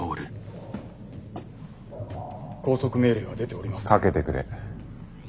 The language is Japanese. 拘束命令は出ておりませんので。